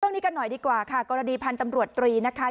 เรื่องนี้กันหน่อยดีกว่าค่ะกรณีพันธ์ตำรวจตรีนะคะ